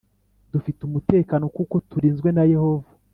Dufite umutekano kuko turinzwe na Yehova